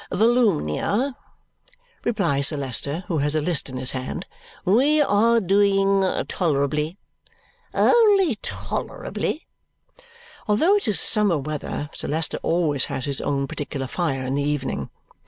"Volumnia," replies Sir Leicester, who has a list in his hand, "we are doing tolerably." "Only tolerably!" Although it is summer weather, Sir Leicester always has his own particular fire in the evening.